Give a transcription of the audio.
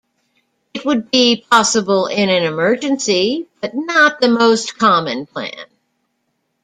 It would be possible in an emergency, but not the most common plan.